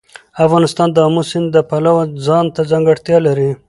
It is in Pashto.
افغانستان د آمو سیند د پلوه ځانته ځانګړتیا لري.